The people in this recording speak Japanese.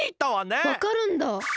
わかるんだ！？